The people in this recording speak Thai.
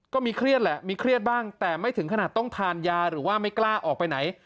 เครียดแหละมีเครียดบ้างแต่ไม่ถึงขนาดต้องทานยาหรือว่าไม่กล้าออกไปไหน